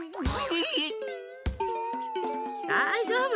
だいじょうぶ。